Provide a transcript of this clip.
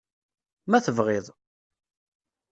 Ma tebɣiḍ.